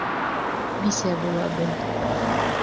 Бисә була бел.